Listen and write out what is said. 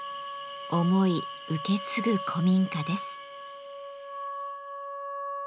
思い受け継ぐ古民家です。